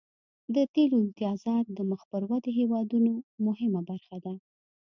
د تیلو امتیازات د مخ پر ودې هیوادونو مهمه برخه ده